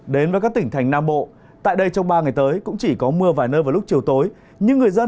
đến với các tỉnh thành nam bộ tại đây trong ba ngày tới cũng chỉ có mưa vài nơi vào lúc chiều tối